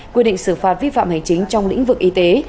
quy định xử phạt vi phạm hành chính trong lĩnh vực y tế